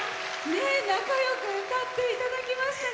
仲よく歌っていただきました。